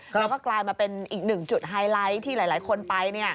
แล้วก็กลายมาเป็นอีกหนึ่งจุดไฮไลท์ที่หลายคนไป